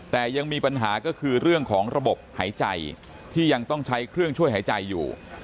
แต่ยังมีปัญหาก็คือเรื่องของระบบหายใจที่ยังต้องใช้เครื่องช่วยหายใจอยู่